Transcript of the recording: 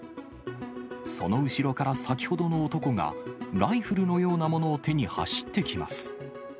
その後ろから先ほどの男が、ライフルのようなものを手に走ってきます。